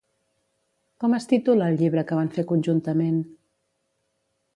Com es titula el llibre que van fer conjuntament?